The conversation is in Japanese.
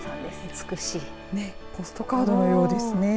美しいポストカードのようですね。